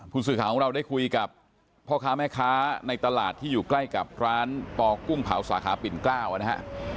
ผู้สื่อข่าวของเราได้คุยกับพ่อค้าแม่ค้าในตลาดที่อยู่ใกล้กับร้านปอกุ้งเผาสาขาปิ่นเกล้านะฮะ